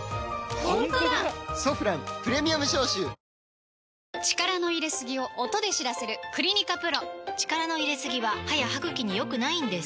「ソフランプレミアム消臭」力の入れすぎを音で知らせる「クリニカＰＲＯ」力の入れすぎは歯や歯ぐきに良くないんです